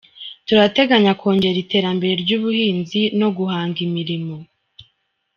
Turateganya kongera iterambere ry’ubuhinzi no guhanga imirimo”.